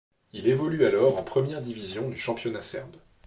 Il évolue alors en première division du championnat serbe.